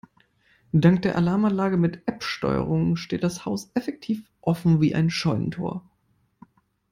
Dank der Alarmanlage mit App-Steuerung steht das Haus effektiv offen wie ein Scheunentor.